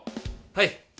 はい。